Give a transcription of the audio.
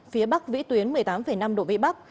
phía bắc vĩ tuyến một mươi tám năm độ vĩ bắc